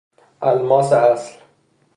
الماس اصل